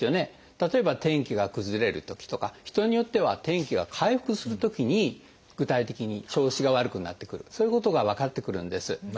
例えば天気が崩れるときとか人によっては天気が回復するときに具体的に調子が悪くなってくるそういうことが分かってくるんです。